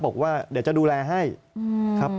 บอกว่าเดี๋ยวจะดูแลให้ครับ